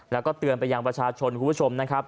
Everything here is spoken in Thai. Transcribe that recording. แล้วก็เตือนไปยังประชาชนคุณผู้ชมนะครับ